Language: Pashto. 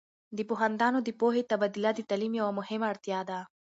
د پوهاندانو د پوهې تبادله د تعلیم یوه مهمه اړتیا ده.